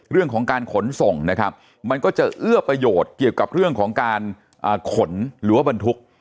เรื่องของการขนส่งนะครับมันก็จะเอื้อประโยชน์เกี่ยวกับเรื่องของการขนหรือว่าบรรทุก